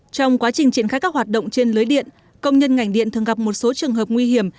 trong quá trình triển khai các hoạt động trên lưới điện công nhân ngành điện thường gặp một số trường hợp nguy hiểm